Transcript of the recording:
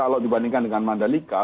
kalau dibandingkan dengan mandalika